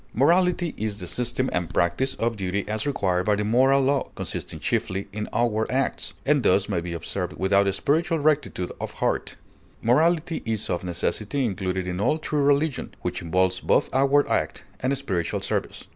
Morality is the system and practise of duty as required by the moral law, consisting chiefly in outward acts, and thus may be observed without spiritual rectitude of heart; morality is of necessity included in all true religion, which involves both outward act and spiritual service.